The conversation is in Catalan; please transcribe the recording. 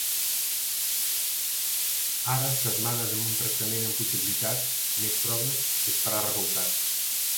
Ara setmanes amb un tractament amb possibilitats, més proves i esperar resultats.